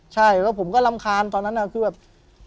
ใช่แล้วผมก็รำคาญตอนนั้นคือแบบ